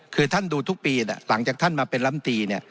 คือท่านดูทุกปีหลังจากท่านมาเป็นลำตี